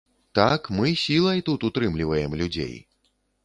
Так, мы сілай тут утрымліваем людзей.